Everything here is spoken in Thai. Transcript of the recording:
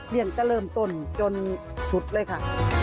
เลี่ยงก็เริ่มต้นจนสุดเลยค่ะ